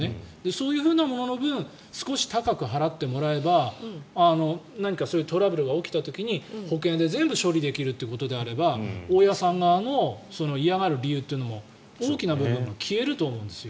そういうふうなものの分少し高く払ってもらえば何かトラブルが起きた時に保険で全部処理できるということであれば大家さん側の嫌がる理由というのも大きな部分が消えると思うんですよ。